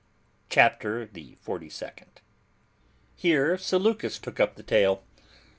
CHAPTER THE FORTY SECOND. Here Seleucus took up the tale.